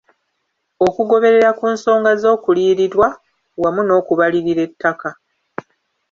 Okugoberera ku nsonga z'okuliyirirwa wamu n'okubalirira ettaka.